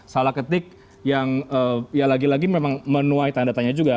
salah ketik yang ya lagi lagi memang menuai tanda tanya juga